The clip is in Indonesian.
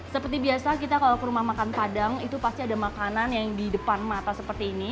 seperti biasa kita kalau ke rumah makan padang itu pasti ada makanan yang di depan mata seperti ini